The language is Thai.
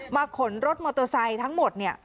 ขนรถมอเตอร์ไซค์ทั้งหมดเนี่ย